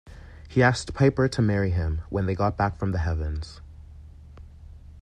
He asked Piper to marry him when they got back from the Heavens.